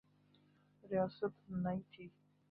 ریاست نئی تھی۔